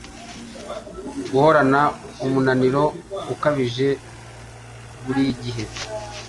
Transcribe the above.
Guhorana umunaniro ukabije burigihe